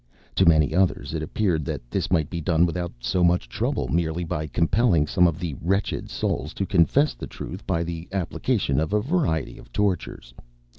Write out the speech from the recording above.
To many others it appeared that this might be done without so much trouble merely by compelling some of the wretched souls to confess the truth by the application of a variety of tortures.